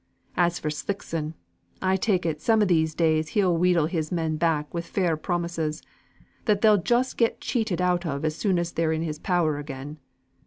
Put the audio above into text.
As for Slickson, I take it, some o' these days he'll wheedle his men back wi' fair promises; that they'll just get cheated out of as soon as they're in his power again.